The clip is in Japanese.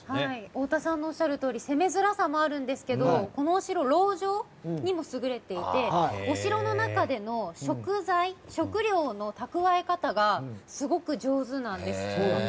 太田さんのおっしゃるとおり攻めづらさもあるんですけどこのお城は籠城にも優れていてお城の中での食材、食料の蓄え方がすごく上手なんです。